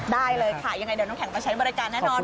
ได้เลยค่ะยังไงเดี๋ยวน้ำแข็งมาใช้บริการแน่นอน